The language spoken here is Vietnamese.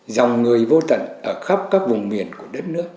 dòng người vô tận ở khắp các vùng miền của đất nước